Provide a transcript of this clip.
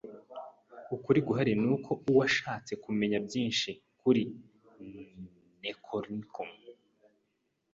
ukuri guhari nuko uwushatse kumenya byinshi kuri nekoronikom